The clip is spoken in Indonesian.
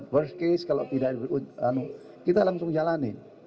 worst case kalau tidak kita langsung jalanin